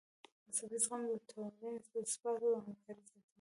مذهبي زغم د ټولنې ثبات او همکاري زیاتوي.